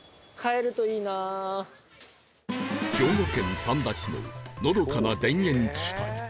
兵庫県三田市ののどかな田園地帯